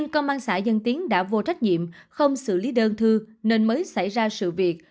công an xã dân tiến đã vô trách nhiệm không xử lý đơn thư nên mới xảy ra sự việc